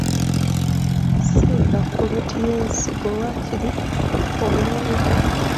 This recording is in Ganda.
Simba puloti y’ensigo wakiri omulundi gumu.